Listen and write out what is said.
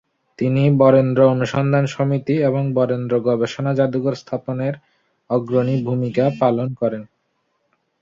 তিনি ‘বরেন্দ্র অনুসন্ধান সমিতি’ এবং ‘বরেন্দ্র গবেষণা জাদুঘর’ স্থাপনে অগ্রনীয় ভূমিকা পালন করেন।